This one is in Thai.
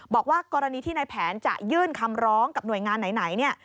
บอกว่ากรณีที่ในแผนจะยื่นคำร้องกับหน่วยงานไหน